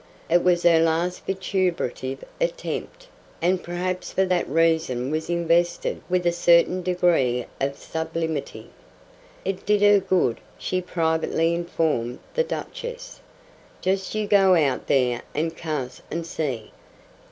It was her last vituperative attempt, and perhaps for that reason was invested with a certain degree of sublimity. It did her good, she privately informed the Duchess. "Just you go out there and cuss, and see."